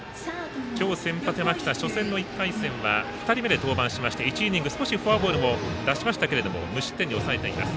今日先発の山北初戦の１回戦は２人目で登場しまして１イニング少しフォアボールも出しましたが無失点に抑えています。